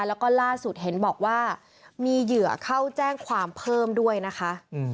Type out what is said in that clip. แล้วก็ล่าสุดเห็นบอกว่ามีเหยื่อเข้าแจ้งความเพิ่มด้วยนะคะ